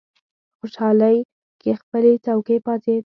په خوشالۍ له خپلې څوکۍ پاڅېد.